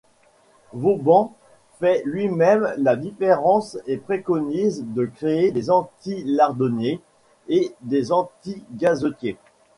Vauban fait lui-même la différence et préconise de créer des anti-lardonniers et des anti-gazetiers.